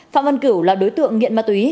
phạm văn cửu là đối tượng nghiện ma túy